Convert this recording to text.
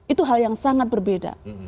itu hal yang sangat berbeda